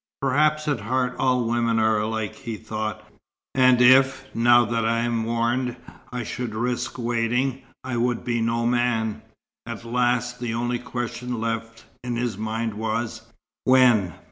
"Perhaps at heart all women are alike," he thought. "And if, now that I am warned, I should risk waiting, I would be no man." At last, the only question left in his mind was, "When?"